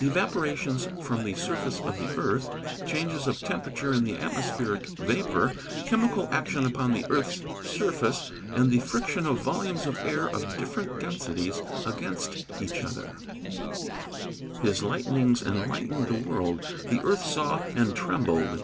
_ Evaporations from the surface of the earth; changes of temperature in the atmospheric vapour; chemical action upon the earth's surface; and the friction of volumes of air of different densities against each other. [Verse: "His lightnings enlightened the world: the earth saw and trembled."